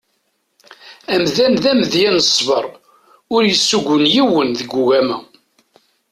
Amdan d amedya n ṣsber ur d-yessugun yiwen deg ugama.